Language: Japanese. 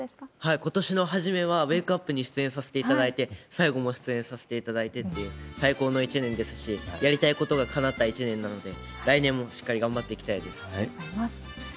ことしの初めはウェークアップに出演させていただいて、最後も出演させていただいてっていう、最高の一年ですし、やりたいことがかなった一年なので、来年もしっかり頑張っていきありがとうございます。